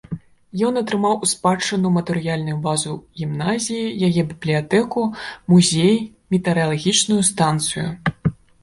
Ён атрымаў у спадчыну матэрыяльную базу гімназіі, яе бібліятэку, музей, метэаралагічную станцыю.